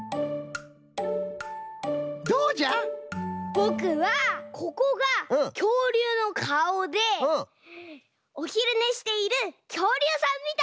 ぼくはここがきょうりゅうのかおでおひるねしているきょうりゅうさんみたい！